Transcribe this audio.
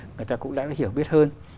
người ta cũng đã hiểu biết hơn